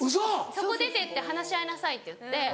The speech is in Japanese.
そこ出てって「話し合いなさい」って言って。